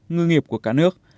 ngư nghiệp của các nhà khoa học